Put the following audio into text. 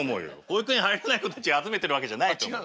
保育園入れない子たちを集めてるわけじゃないと思う。